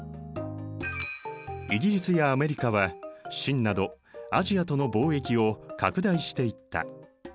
イギリスやアメリカは清などアジアとの貿易を拡大していった。